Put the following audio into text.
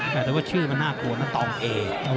แต่ว่าชื่อมันน่ากลัวนะตองเอ